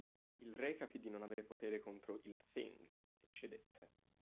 Il re capì di non avere potere contro il thing e cedette.